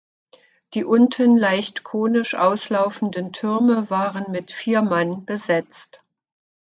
Die unten leicht konisch auslaufenden Türme waren mit vier Mann besetzt.